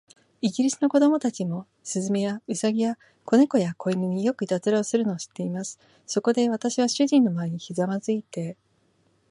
イギリスの子供たちも、雀や、兎や、小猫や、小犬に、よくいたずらをするのを知っています。そこで、私は主人の前にひざまずいて